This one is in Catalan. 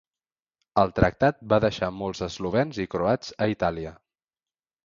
El tractat va deixar molts eslovens i croats a Itàlia.